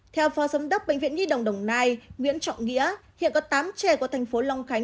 theo phó giám đốc bệnh viện nhi đồng đồng nai nguyễn trọng nghĩa hiện có tám trẻ của thành phố long khánh